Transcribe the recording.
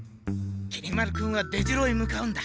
きり丸君は出城へ向かうんだ。